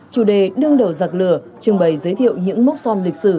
chủ đề đương đầu giặc lửa trưng bày giới thiệu những mốc son lịch sử